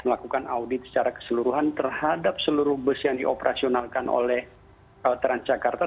melakukan audit secara keseluruhan terhadap seluruh bus yang dioperasionalkan oleh transjakarta